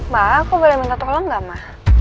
ma aku boleh minta tolong gak ma